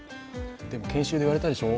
でも研修で言われたでしょ。